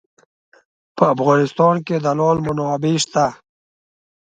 په افغانستان کې د لعل منابع شته.